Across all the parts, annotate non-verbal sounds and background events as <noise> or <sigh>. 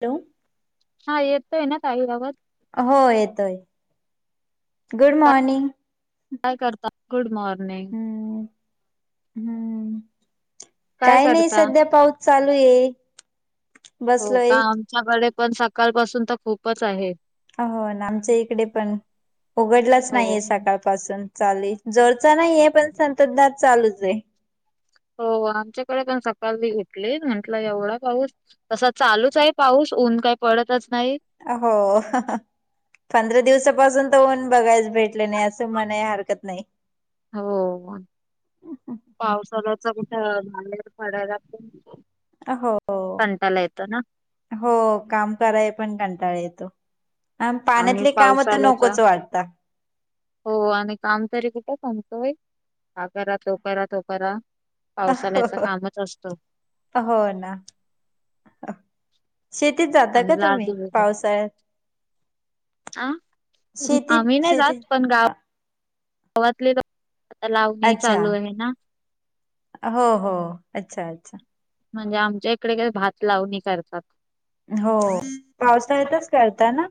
ठेवू? - हां येतोय नां काही बाबत. हों येतोय, गुड मॉर्निंग? काय करता? Good morning? हुं हुं काय नायी सध्या पाऊ चालूये. हों का? आमच्याकडे पण सकाळपासुन तर खुपच आहे. हों ना आमच्या इकडे पण उघडलाच हो नाहीये सकाळ पासून चालेय जोरचा नाहीय, पण संततधार चालूचयं. होतं आमच्याकडे पण सकाळ <inaudible> घेतली म्हंटलं एवढा पाऊस? तसां चालूचयं पाऊस, ऊन काय पडतच नाही. आं हों. पंधरा दिवसापासुन तर ऊन बघायच भेटलं नाही असं म्हणाय हरकत नाही. हों पावसाळ्याच कुठं <inaudible> झालय पडायला. आं हों कंटाला येतो ना हों काम कराय पण कंटाळ येतो. आन आणि पाण्यातले काम तर नकोच वाटत. हों आणि काम तरी कुठं समतोय हां करा तो करा तो करा पावसाळ्याच कामच असतो हों नां. शेतीत जाता का आणि लाद तुम्ही? दिवस पावसाळ्यात. आं शेती आम्ही नायी शेती जात पण गाव गावातले <inaudible> आता लावणी चालू आहे नां. हों हों अच्छा! अच्छा! म्हणजे आमच्या इकडे काय भात लावणी करतात. हों पावसाळ्यात करताना?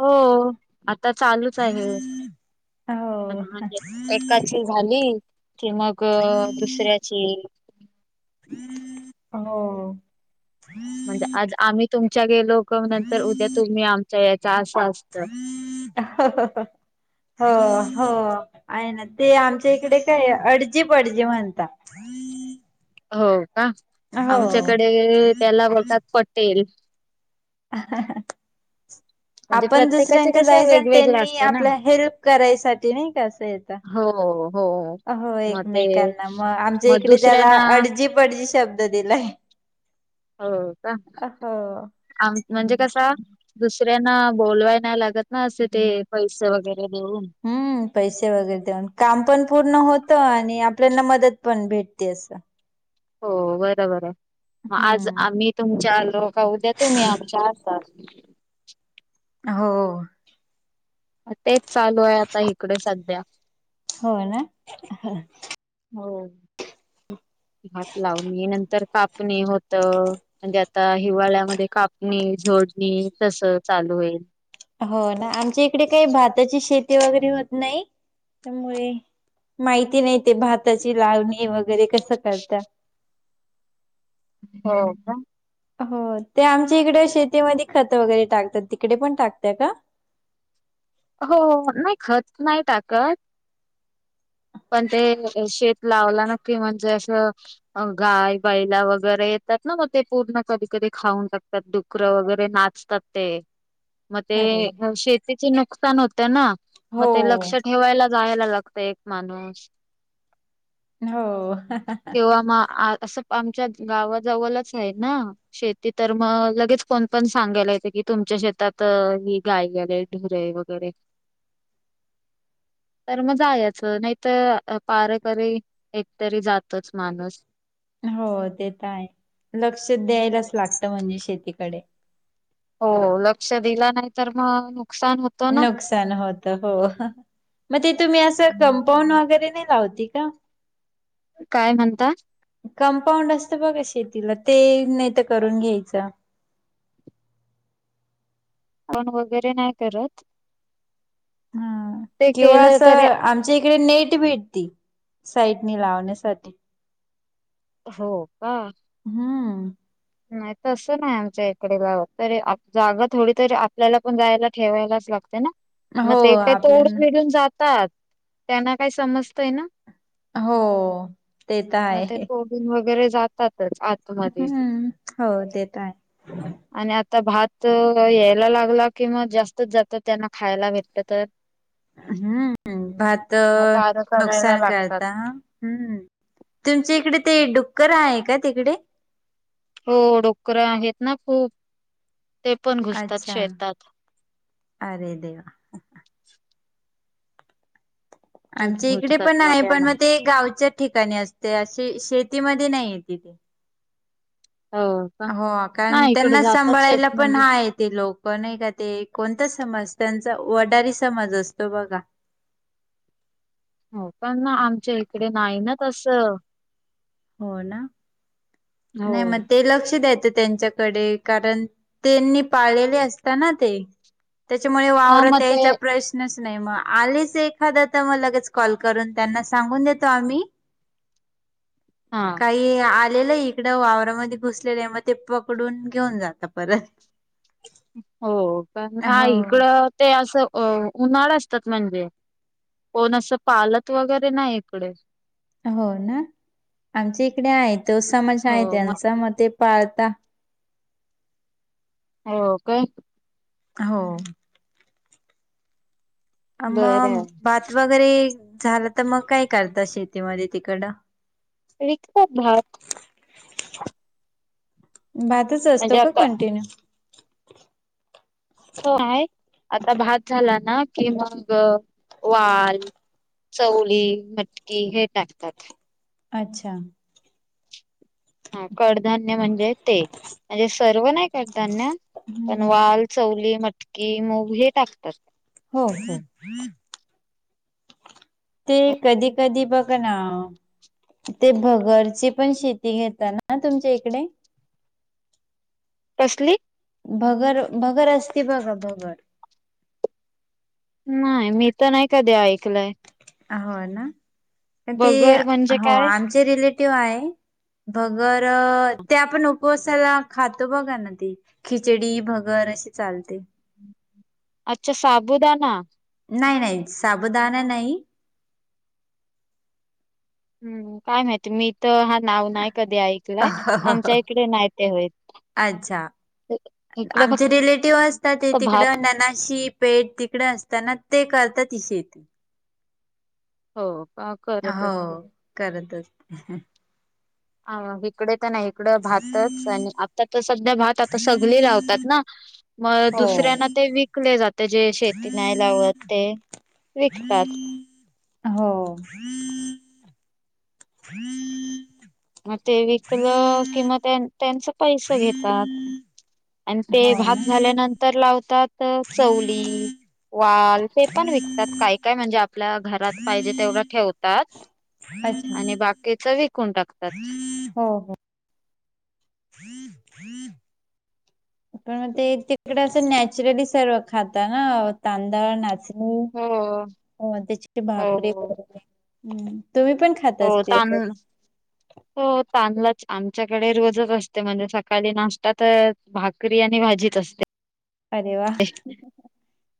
हों आता चालूच आहे हो म्हणजे एकाचे ते झाली की मग दुशऱ्याची हों. म्हणजे आज आम्ही तुमच्या गेलो क नंतर उद्या तुम्ही आमच्या याचा असा अस <inaudible> हों हों आहे ना ते आमच्या इकडे काय अडजी पडजी म्हणता हों का? हो आमच्याकडे त्याला बोलतात पटेल. <inaudible> म्हणजे आपण प्रत्येकाचे दुसऱ्यांच्या कसं जायचं आणि वेगवेगळ त्यांनी असतं ना आपला हेल्प करायसाठी नाही असं येता. हो हो. हों मग ते एकमेकांना मग आमच्या मग इकडे त्याला दुसऱ्यांना अडजी पडजी शब्दं दिलांय. हो कां हो आं म्हणजे कसां दुसऱ्यांना बोलवांय नाहीं लागतं नां असे ते पैसे वगैरें देऊंन हम्म पैसे वगैरें देऊंन कामं पणं पूर्ण होतं आणि आपल्यांना मंदत पणं भेटते असं हो बरोबर आहे आंज हम्म आम्हीं तुमच्यां लो कां उद्यां तुंम्ही आमच्यां असांल हो तेचं चालूं आहे आंता इकडे संध्या हो नां हो हांत लावणे नंतर कापणे होतं म्हणजे आंता हिवाळ्यांमध्यें कांपणी झोडंणी तसेच चालूं होईल‌. हो नां आमच्या इकडे कांहीं भातांची शेती वगैरें होतं नाहीं त्यांमुळे माहिती नाहीं ते भातांची लावणी वगैरें कसं करतांत हो कां हो ते आमच्यां इकडे शेतीमध्यें खतं वगैरें टाकतांत तिकडे पणं टाकतं कां हो नाहीं खंत नाहीं टाकतं पणं ते शेतं लावलं नक्की म्हणजे असं अं गांय बैला वगैरें येतांत नां मगं ते पूर्ण कधीं कधीं खाऊंन टाकतांत दुं कुक्र वगैरें नाचतांत ते मंग ते अरे शेतीचे नुकसांन होते नां हो मगं ते लक्षं हो. ठेवांय लागतं जायंला लागतं एक माणूंस हो हो हो हं हं किंव्हा मंग असं आमच्यां गावांजवळंलाचं आहे नां शेती तरं मंग लगेच कोणं पणं सांगायला येते की तुमच्या शेतांत ही गायं गेले ढुंरे वैर तरं मंग जायचं नाहीं तरं पारकरी एकतरी जायचं माणूंस हो ते तरं आहे लंक्ष द्यायलांच लागतं म्हणजे शेतीकडे हो लंक्ष दिलं नाहीं तरं मंग नुकसांन होतं ना. नुकसांन होतं हो मंग ते तुंम्ही असं की कंपाउंड वगैरें नाहीं लावती कां कायं म्हणतांत कंपाऊंड असतं बघां शेतीलां ते नाहीं तरं करूंन घ्यायचं कंपाउंड वगैरें नाहीं करतं किंवा केलं असं तरी आंत आमच्या इकडे नेटं भेटती साईटनी लावण्यांसाठी हो कां हम्मं नाहीं तसं असं नाहीं आमच्यां इकडे तरी जागां थोडी तरी आपल्यांला पणं जायंला ठेवांयलाचं लागते नां मंग हो ते कांहीं तोड आपल्याना विडूंन जातांत त्यांनां कांहीं समजतंय नां हो ते तरं आहे वगैरें जातांत आंत हम्मं हो तेेतरं आहे आणि आंता भातं यांयला लागंला किंवा जास्तं चं जातं त्यांना खांयला भेटलं तरं हं हम्म् भात पार करायला नुकसान लागतात करता, हम्म त्याच्या इकडे ते डुक्कर आहे का तिकडे? हो डुक्कर आहेत ना खूप. ते पण घुसतात अच्छा शेतात अरे देवा. खूप आमच्या इकडे घुसतात पण आहे पण त्यांना मग ते गावच्या ठिकाणी असते अशी शेतीमध्ये नाही येते ती. हो का हो कारण नाही इकडे त्यांना जातात शेत सांभाळायला पण म्हणजे हा आहे ते लोक, कोण आहे का ते कोणता समाज त्यांचा वडारी समाज असतो बघा. हो पण आमच्या इकडे नाही ना तसं, हो ना हो नाही मग ते लक्ष द्याेतं त्यांच्या कडे कारण त्यांनी पाळलेले असता ना ते. त्याच्यामुळे हा वावरात मग ते यायचा प्रश्न नच नाही मग आलेच एखादा तर मग लगेच कॉल करून त्यांना सांगून देतो आम्ही हा का आलेलं इकडं वावरामध्ये घुसलेलं आहे मग ते पकडून घेऊन जात परत. हो पण हा हो इकडं ते असं उन्हाळा असतात म्हणजे, कोण असं पालत वगैरे नाही इकडे, हो ना आमच्या इकडे आहे तो समाज आहे त्यांचा मग ते पाळता. हो काय? हो मग बरं भात वगैरे झालं तर मग काय करत शेतीमध्ये तिकडं? विकतो भात. भातच असतो म्हणजे का आता कंटिन्यू? हो आता भात झाला ना की मग वाल चवळी, मटकी हे टाकतात. अच्छा ह कडधान्य म्हणजे ते म्हणजे सर्व नाही कडधान्य पण वाल, चवली, मटकी, मूग हे टाकतात. हो हो ते कधी कधी बघ ना ते भगरची पण शेती घेतात ना तुमच्या इकडे? कसली? भगर भगर असते बघा भगर, नाही मी तर नाही कधी ऐकलंय. हो ना ते बगर म्हणजे हो काय आमचे रिलेटिव्ह आहे भगर ते आपण उपवासाला खातो बघा ना ते खिचडी भगर अशी चालते. अच्छा साबुदाना नाही नाही साबुदाणा नाही, हम्म काय माहिती मी तर हा नाव नाही कधी ऐकलाय आमच्या इकडे नाही ते होईत. अच्छा आमचे रिलेटिव्ह असतात ते तिकडं भात ननाशी पेट तिकडे असताना ते करता ती शेत. हो का करत हो असतील करतचते आव इकडे तर नाही इकडं भातच आता तर सध्या भात आता सगली लावतात ना मग हो दुसऱ्यांना ते विकले जाते जे शेती नाही लावत ते विकतात हो मग ते विकलं की मग त्यांच त्याचं किंवा त्यांचं पैस घेतात आणि ते ना भात झाल्यानंतर लावतात चवली वाल ते पण विकतात काय काय म्हणजे आपल्या घरात पाहिजे तेवढं ठेवतात अच्छा आणि बाकीच विकून टाकतात हो हो पण मग ते तिकडे असं नॅचरली सर्व खाता ना तांदळ व नाच हम्म हो हम्म अण त्याची ती भाकरी हो तुम्ही पण खात हो असतील? तांनू हो तांदलाचे आमच्याकडे रोजच असते म्हणजे सकाळी नाश्ता तर भाकरी आणि भाजीत असते अरे वा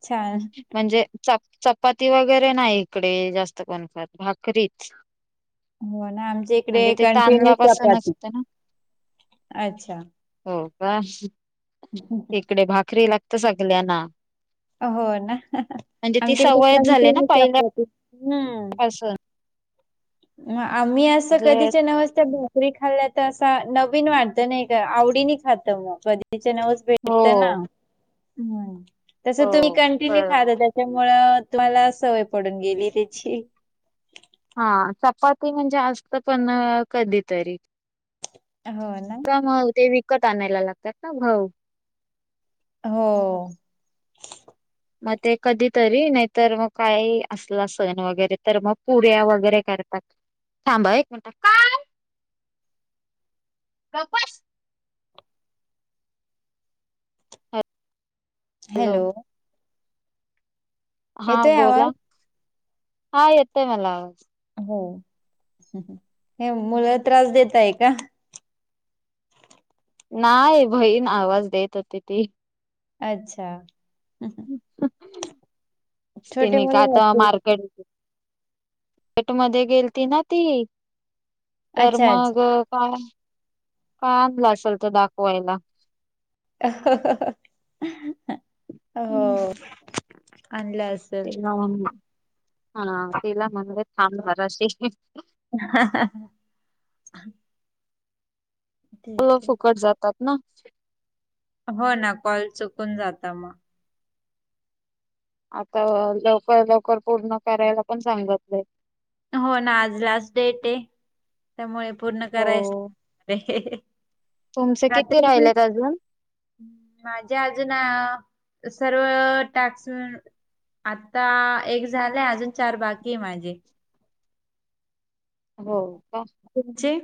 छान म्हणजे चप चपाती वगैरे नाही इकडे जास्त बणतात भाकरीच हो ना आमच्या इकडे म्हणजे ते कंटिन्युअस तांदलापासूनच चपाती होते ना अच्छा हो का ह हं इकडे भाकरी लागत सगळ्यांना हो ना म्हणजे ती आमच्याकडे सवयच कॅन्टीनिव चपाती हरसळत हा आम्ही असं जर कधीच्या नवस्त्या री खाल्ल्या तर असा नवीन वाढत नाही का आवडीने खातं मग कधीच्यानव हो भेटतना तस हो तुम्ही कॅन्टीन बरोबर खाता च्यामुळं तुम्हाला सवय पडून गेली त्याची हा चपाती म्हणजे आस्त पण कधीतरी हो ना. का म ते विकत आणायला लागतात ना भाऊ हो मग ते कधी तरी नाहीतर मग काही असला सण वगैरे तर मग पुऱ्या वगैरे करतात थांबा हा एक मिनट काय गप बस हॅलो हा येतोय बोला आवाज? हा येतय मला आवाज हो हे मुल त्रास देताये का नाही बहीण आवाज देत होती ती अच्छा छोटे तिने का मुल आता असतील केट मध्ये गेलती ना ती तर अच्छा अच्छा. मग काय काय आणलं असेल तर दाखवायला हो आणलंस हा ह तिला म्हणे थांब जराशी ठीक तो आहे. फुकट जातात ना. हो ना कॉल चुकून जाता मग- आता लवकर लवकर पूर्ण करायला पण सांगतलं. हो ना आज लास्ट डेट आहे त्यामुळे- पूर्ण कराय- तुमचं किती राहिलत अजून? माझे अजून ना सर्व टास्क- आता एक झालंय, अजून चार बाकी आहे माझे. हो का. तुमचे-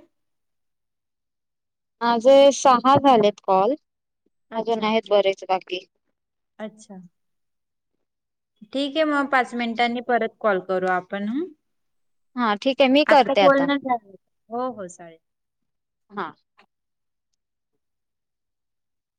माझे सहा झालेत कॉल, अजून अच्छा आहेत बरेच बाकी- अच्छा ठीक आहे मग पाच मिनिटांनी परत कॉल करू आपण ह. हा ठीक आहे मी आता करते बोलन झाले, हो हो चालेल. हा.